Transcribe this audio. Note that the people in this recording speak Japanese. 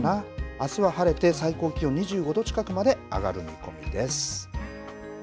あすは晴れて最高気温２５度近くまで上がる見込みです。